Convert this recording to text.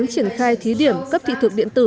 và thí điểm cấp thị thực điện tử